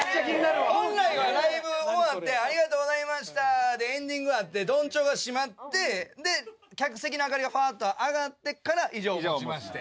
本来はライブ終わってありがとうございましたでエンディングあって緞帳が閉まってで客席の明かりがファッとあがってから以上をもちまして。